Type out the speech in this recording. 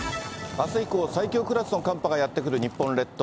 あす以降、最強クラスの寒波がやって来る日本列島。